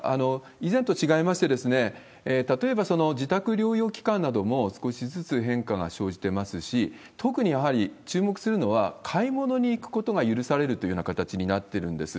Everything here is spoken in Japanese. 以前と違いまして、例えば自宅療養期間なども少しずつ変化が生じてますし、特にやはり注目するのは、買い物に行くことが許されるというような形になってるんです。